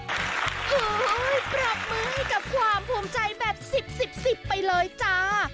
เฮ่ยปรับมือให้กับความภูมิใจแบบสิบไปเลยจ้า